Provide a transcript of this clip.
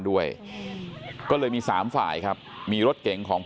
สวัสดีครับทุกคน